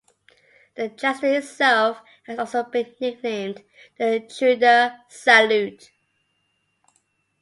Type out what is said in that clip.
The gesture itself has also been nicknamed the "Trudeau salute".